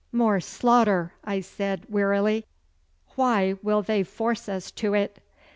'More slaughter,' I said wearily. 'Why will they force us to it?